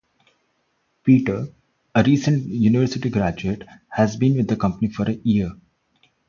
Peter, a recent university graduate, has been with the company for a year.